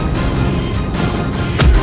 nyai yang menyerang